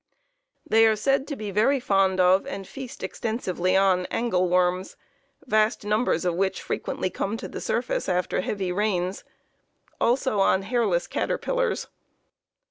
They are said to be very fond of, and feed extensively on, angle worms, vast numbers of which frequently come to the surface after heavy rains, also on hairless caterpillars.